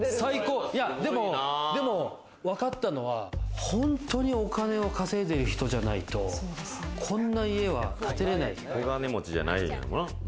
でもわかったのは本当にお金をかせいでいる人じゃないとこんな家は建てれない。